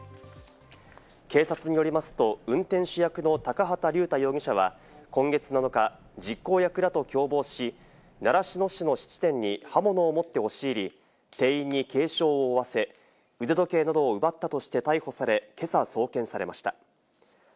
警察によりますと、運転手役の高畑竜太容疑者は今月７日、実行役らと共謀し、習志野市の質店に刃物を持って押し入り、店員に軽傷を負わせ、腕時計などを奪ったとして逮捕され、けさ送検されました。